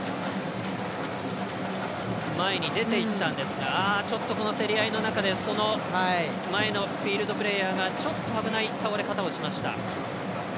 前に出ていったんですが競り合いの中でその前のフィールドプレーヤーがちょっと危ない倒れ方をしました。